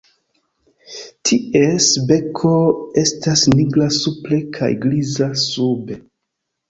Ties beko estas nigra supre kaj griza sube.